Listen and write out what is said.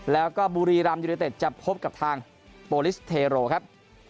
แล้วก็บุรีรำยูเนเต็ดจะพบกับทางโปรลิสเทโรครับ